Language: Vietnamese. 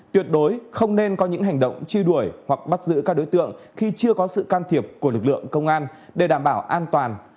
tuyệt đối không nên có những hành động truy đuổi hoặc bắt giữ các đối tượng khi chưa có sự can thiệp của lực lượng công an để đảm bảo an toàn